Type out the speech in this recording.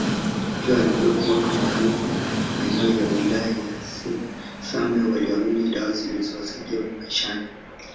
Pia walikuwepo watu maarufu maeneo ya wilaya ya same walioamini dawa zilizowasaidia maishani